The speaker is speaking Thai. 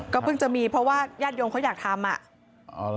เพิ่งจะมีเพราะว่าญาติโยมเขาอยากทำอ่ะ